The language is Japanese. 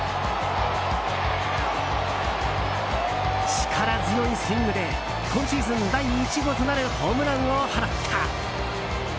力強いスイングで今シーズン第１号となるホームランを放った。